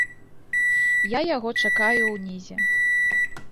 Я яго чакаю ўнізе.